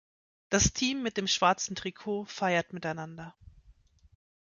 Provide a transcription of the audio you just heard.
Das Team mit dem schwarzen Trikot feiert miteinander.